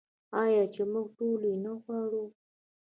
آیا چې موږ ټول یې نه غواړو؟